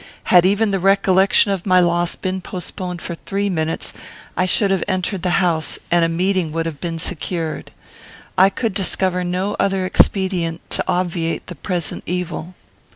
Had even the recollection of my loss been postponed for three minutes, I should have entered the house, and a meeting would have been secured. I could discover no other expedient to obviate the present evil.